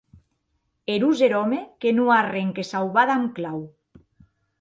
Erós er òme que non a arren que sauvar damb clau!